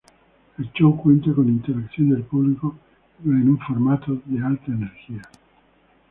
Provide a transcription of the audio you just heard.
El show cuenta con interacción del público con un formato de alta energía.